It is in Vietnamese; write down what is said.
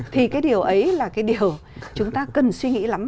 thì cái điều ấy là cái điều